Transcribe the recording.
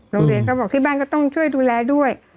โรงเรียนเขาบอกที่บ้านก็ต้องช่วยดูแลด้วย